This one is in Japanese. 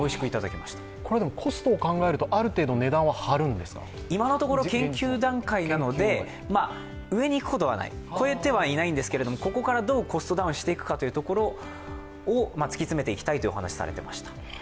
これでもコストを考えると今のところ研究段階なので上にいくことはない、超えてはいないんですが、ここからどうコストダウンしていくかというところを突き詰めていきたいというお話をされていました。